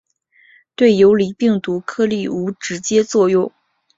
对游离病毒颗粒无直接作用。